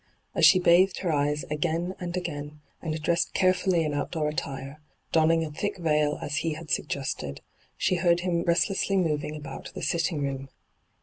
As she bathed her eyes again and again, and dressed carefully in outdoor attire, donning a thick veil as he had suggested, she heard him restlessly moving about the sitting room.